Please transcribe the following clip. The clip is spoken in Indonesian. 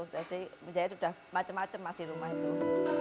jadi menjahit itu sudah macam macam mas di rumah itu